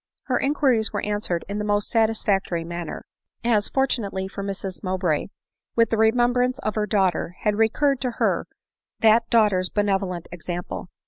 . Her inquiries were answered in the most satisfactory manner ; as, fortunately for Mrs Mowbray, with the re membrance of her daughter had recurred "to her that daughter's benevolent example.